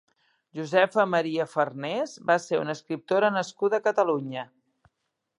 Josefa María Farnés va ser una escriptora nascuda a Catalunya.